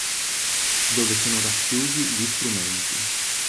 Dove sono racchiusi gli strumenti